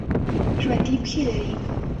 ژوندي پښې لري